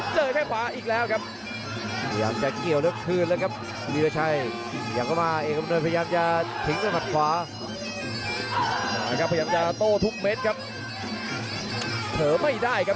เผลอไปแป๊บเดียวครับซ้ายนี่แหวนกาดครับ